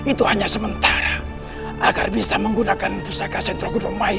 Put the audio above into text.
itu hanya sementara agar bisa menggunakan pusaka sentro gudong mai